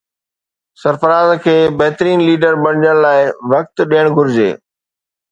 سرفراز کي بهترين ليڊر بڻجڻ لاءِ وقت ڏيڻ گهرجي